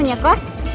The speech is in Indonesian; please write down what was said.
ini apa pak